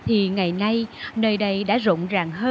thì ngày nay nơi đây đã rộng ràng hơn